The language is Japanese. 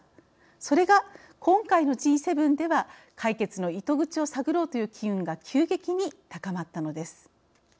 それが今回のＧ７では解決の糸口を探ろうという機運が急激に高まったのです。